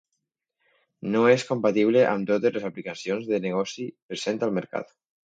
No és compatible amb totes les aplicacions de negoci presents al mercat.